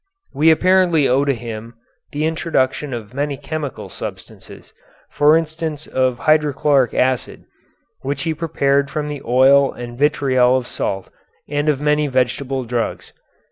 We apparently owe to him the introduction of many chemical substances, for instance of hydrochloric acid, which he prepared from oil and vitriol of salt, and of many vegetable drugs.